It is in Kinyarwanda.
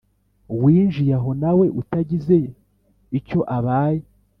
winjiye aho nawe utagize icyo abaye